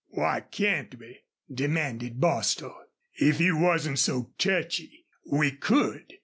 "Why can't we?" demanded Bostil. "If you wasn't so touchy we could.